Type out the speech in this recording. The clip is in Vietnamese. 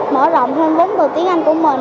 mở rộng hơn bấm từ tiếng anh của mình